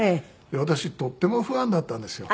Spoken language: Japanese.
私とってもファンだったんですよ。